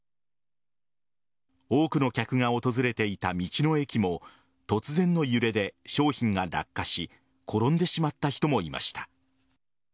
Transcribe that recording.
多くの客が訪れていた道の駅も突然の揺れで商品が落下し転んでしまった人もいました。